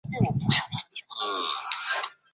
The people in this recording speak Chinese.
为丹霞地貌景观。